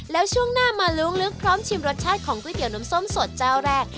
แล้วช่วงหน้ามาล้วงลึกพร้อมชิมรสชาติของก๋วยเตี๋ยวน้ำส้มสดเจ้าแรก